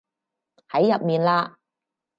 喺入面嘞